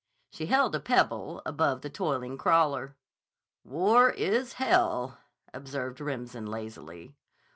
She held a pebble above the toiling crawler. "War is hell," observed Remsen lazily.